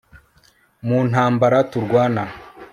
Mu ntambara turwana